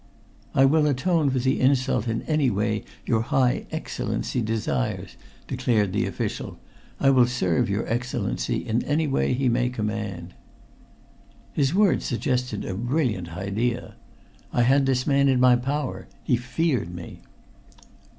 "I will atone for the insult in any way your high Excellency desires," declared the official. "I will serve your Excellency in any way he may command." His words suggested a brilliant idea. I had this man in my power; he feared me.